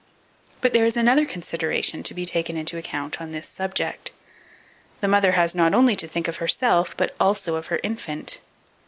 But there is another consideration to be taken into account on this subject; the mother has not only to think of herself, but also of her infant.